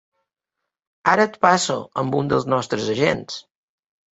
Ara et passo amb un dels nostres agents.